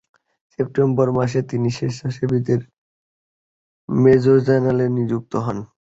September মাসে তিনি স্বেচ্ছাসেবকদের মেজর জেনারেল নিযুক্ত হন।